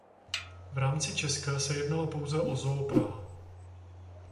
V rámci Česka se jednalo pouze o Zoo Praha.